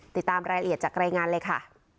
ติดตามรายละเอียดจากรายงานเลยค่ะ